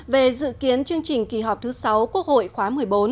về dự kiến chương trình kỳ họp thứ sáu quốc hội khóa một mươi bốn